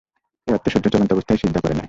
এ অর্থে সূর্য চলন্ত অবস্থায়ই সিজদা করে নেয়।